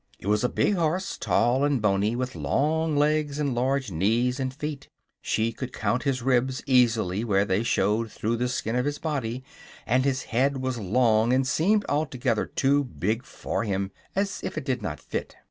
It was a big horse, tall and bony, with long legs and large knees and feet. She could count his ribs easily where they showed through the skin of his body, and his head was long and seemed altogether too big for him, as if it did not fit.